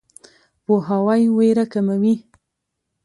پوهاوی ویره کموي.